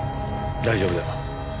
大丈夫だ。